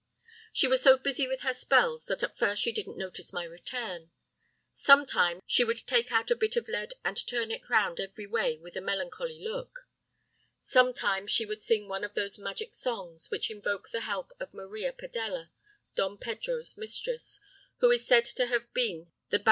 She was so busy with her spells that at first she didn't notice my return. Sometimes she would take out a bit of lead and turn it round every way with a melancholy look. Sometimes she would sing one of those magic songs, which invoke the help of Maria Padella, Don Pedro's mistress, who is said to have been the Bari Crallisa the great gipsy queen.